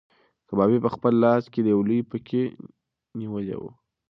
کبابي په خپل لاس کې یو لوی پکی نیولی و.